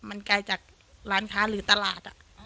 มันไกลจากร้านค้าหรือตลาด